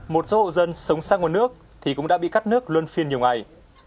một số hộ dân sống xa nguồn nước thì cũng đã bị cắt nước luôn phiên nhiều ngày